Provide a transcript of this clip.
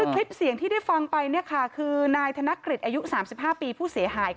คลิปเสียงที่ได้ฟังไปคือนายธนกฤษอายุ๓๕ปีผู้เสียหาย